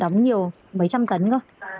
đóng nhiều mấy trăm tấn không